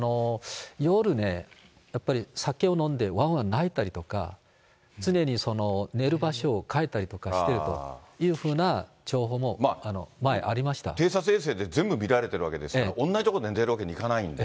夜、やっぱり酒を飲んで、わんわん泣いたりとか、常に寝る場所を変えたりとかしてるというふうな情報も、偵察衛星で全部見られてるわけですから、同じとこに寝てるわけにいかないんで。